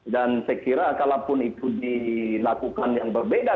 dan sekiranya kalau pun itu dilakukan yang berbeda